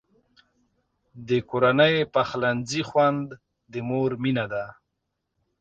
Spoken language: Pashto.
د کورني پخلنځي خوند د مور مینه ده.